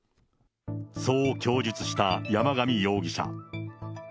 そう供述した山上容疑者。